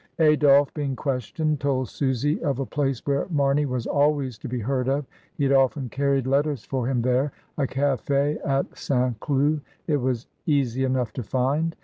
Adolphe, being questioned, told Susy of a place where Marney was always to be heard of; he had often carried letters for him there — a caf^ at St. Cloud, it was easy enough to find.